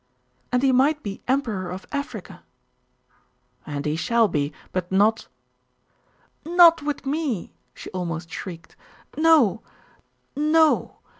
'And he might be Emperor of Africa.' 'And he shall be; but not ' 'Not with me!' she almost shrieked. 'No!